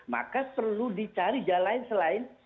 maka perlu dicari jalan selain